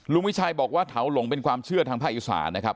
วิชัยบอกว่าเถาหลงเป็นความเชื่อทางภาคอีสานนะครับ